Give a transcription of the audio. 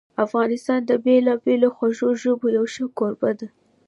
افغانستان د بېلابېلو خوږو ژبو یو ښه کوربه ده.